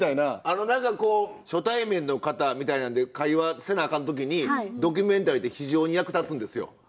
あの何かこう初対面の方みたいなんで会話せなあかん時にドキュメンタリーって非常に役立つんですよ。